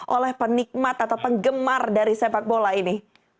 oleh penikmat atau penggemar dari sepak bola ini